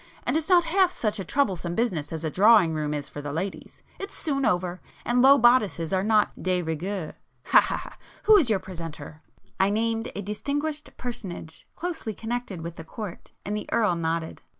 And it's not half such a troublesome business as a Drawing room is for the ladies. It's soon over,—and low bodices are not de rigeur—ha—ha—ha! Who is your presenter?" I named a distinguished personage, closely connected with the Court, and the Earl nodded.